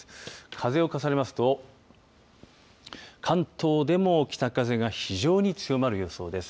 風を重ねますと関東でも北風が非常に強まる予想です。